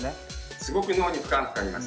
すごく脳に負荷がかかります。